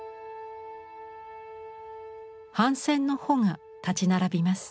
帆船の帆が立ち並びます。